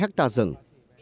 ba hectare rừng